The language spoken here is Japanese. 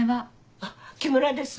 あっ木村です。